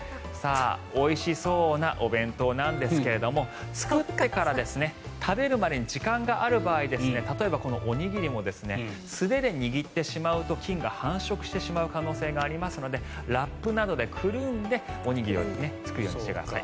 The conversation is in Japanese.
おいしそうなお弁当なんですが作ってから食べるまでに時間がある場合例えばこのおにぎりも素手で握ってしまうと菌が繁殖してしまう可能性がありますのでラップなどでくるんでおにぎりを作るようにしてください。